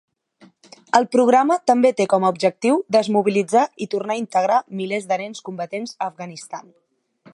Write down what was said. El programa també té com a objectiu desmobilitzar i tornar a integrar milers de nens combatents a Afganistan.